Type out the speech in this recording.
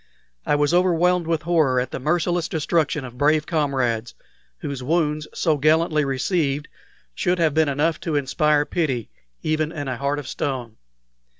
I was overwhelmed with horror at the merciless destruction of brave comrades, whose wounds, so gallantly received, should have been enough to inspire pity even in a heart of stone.